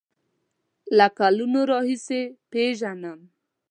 له کلونو راهیسې پیژنم.